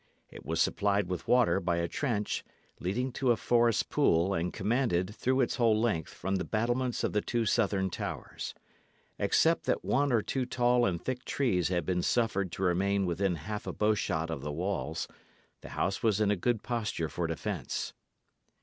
It was supplied with water by a trench, leading to a forest pool and commanded, through its whole length, from the battlements of the two southern towers. Except that one or two tall and thick trees had been suffered to remain within half a bowshot of the walls, the house was in a good posture for defence.